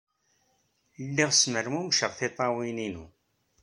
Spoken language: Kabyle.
Lliɣ smermuceɣ tiṭṭawin-inu.